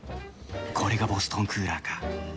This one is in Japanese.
これがボストンクーラーか。